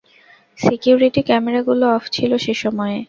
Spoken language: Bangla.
সিকিউরিটি ক্যামেরাগুলো অফ ছিল সেসময়ে।